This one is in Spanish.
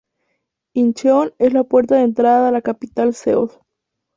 Incheon es la puerta de entrada a la capital, Seúl.